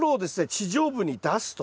地上部に出すと。